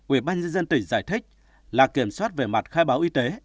ubnd tỉnh giải thích là kiểm soát về mặt khai báo y tế